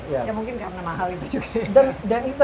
ya mungkin karena mahal itu juga